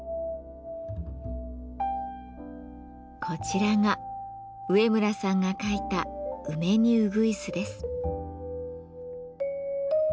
こちらが上村さんが描いた「梅にうぐいす」です。